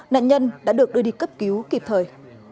nạn nhân đã được đưa đi cấp cứu kịp thời